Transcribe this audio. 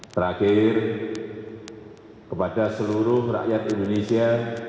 terakhir kepada seluruh rakyat indonesia